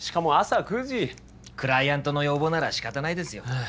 クライアントの要望ならしかたないですよ。